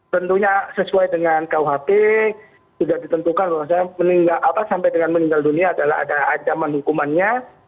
tentunya sesuai dengan kuhp sudah ditentukan bahwa sampai dengan meninggal dunia adalah ada ancaman hukumannya